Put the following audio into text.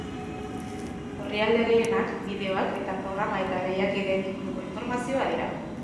Orrialde gehienak bideoak eta programa eta lehiakideen inguruko informazioa dira.